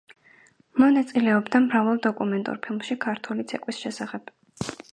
მონაწილეობდა მრავალ დოკუმენტურ ფილმში ქართული ცეკვის შესახებ.